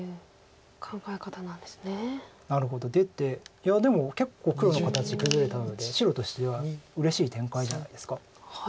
いやでも結構黒の形崩れたので白としてはうれしい展開じゃないですか。